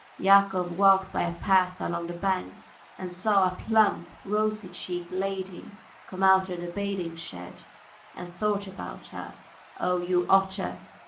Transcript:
Yakov walked by a path along the bank and saw a plump, rosy cheeked lady come out of the bathing shed, and thought about her: "Ugh! you otter!"